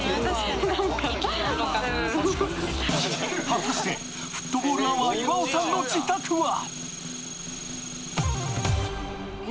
果たしてフットボールアワー岩尾さんの自宅は！